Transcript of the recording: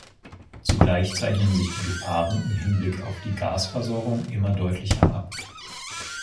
Zugleich zeichnen sich die Gefahren im Hinblick auf die Gasversorgung immer deutlicher ab.